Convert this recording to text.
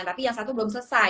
tapi yang satu belum selesai